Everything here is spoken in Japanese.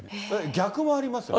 逆もあります。